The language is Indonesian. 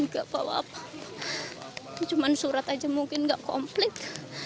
gak bawa apa apa cuman surat aja mungkin gak komplit